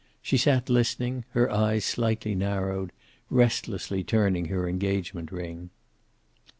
She sat listening, her eyes slightly narrowed, restlessly turning her engagement ring.